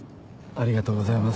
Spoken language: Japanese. ありがとうございます。